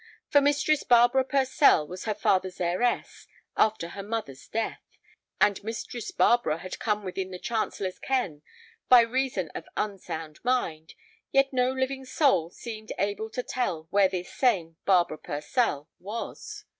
For Mistress Barbara Purcell was her father's heiress after her mother's death, and Mistress Barbara had come within the chancellor's ken by reason of unsound mind, yet no living soul seemed able to tell where this same Barbara Purcell was.